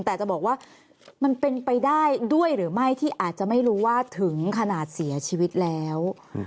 แต่จะบอกว่ามันเป็นไปได้ด้วยหรือไม่ที่อาจจะไม่รู้ว่าถึงขนาดเสียชีวิตแล้ว